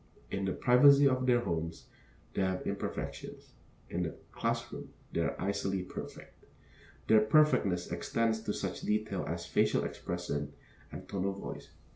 In the privacy of their homes they have their imperfections; in the class room they are icily perfect. Their perfectness extends to such details as facial expression and tone of voice.